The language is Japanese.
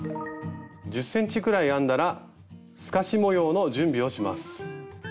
１０ｃｍぐらい編んだら透かし模様の準備をします。